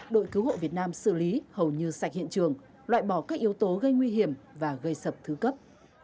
đội cứu hộ việt nam xử lý hầu như sạch hiện trường loại bỏ các yếu tố gây nguy hiểm và gây sập thứ cấp